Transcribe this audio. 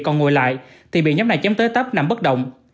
còn ngồi lại thì bị nhóm này chém tới tấp nằm bất động